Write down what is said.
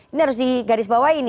ini harus di garis bawah ini